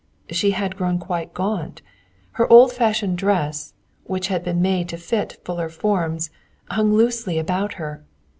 She had grown quite gaunt. Her old fashioned dress, which had been made to fit fuller forms, hung loosely about her.